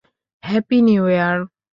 Happy new year.